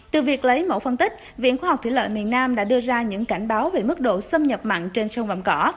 từ việc lấy mẫu phân tích viện khoa học thủy lợi miền nam đã đưa ra những cảnh báo về mức độ xâm nhập mặn trên sông vạm cỏ